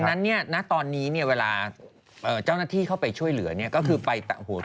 แกต้องหนักถ้ำกระบอก